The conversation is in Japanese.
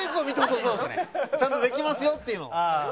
そうですね。ちゃんとできますよっていうのを。